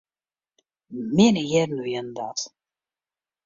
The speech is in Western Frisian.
Minne jierren wienen dat.